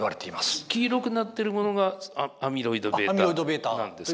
黄色くなってるものがアミロイドβなんですか？